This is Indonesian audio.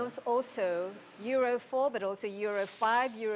dan juga perangkat euro empat dan euro lima